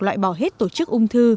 loại bỏ hết tổ chức ung thư